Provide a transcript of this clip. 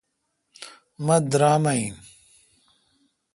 مہ درام می این